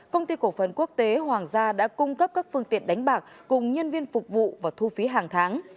công ty cổ phần quốc tế hoàng gia đã cung cấp các phương tiện đánh bạc cùng nhân viên phục vụ và thu phí hàng tháng